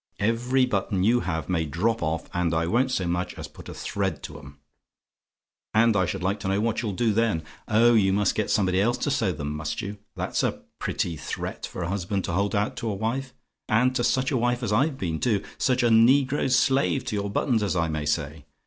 Every button you have may drop off, and I won't so much as put a thread to 'em. And I should like to know what you'll do then? Oh, you must get somebody else to sew 'em, must you? That's a pretty threat for a husband to hold out to a wife! And to such a wife as I've been, too: such a negro slave to your buttons, as I may say!